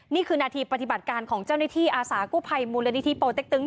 นี่คือนาทีปฏิบัติการของเจ้าหน้าที่อาสากู้ภัยมูลนิธิโปรเต็กตึง